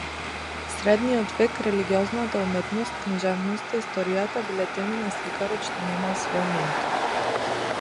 Средниот век, религиозната уметност, книжевноста, историјата, биле теми на сликарот што немал свој ментор.